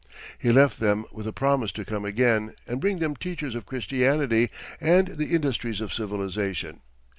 He left them with a promise to come again and bring them teachers of Christianity and the industries of civilization.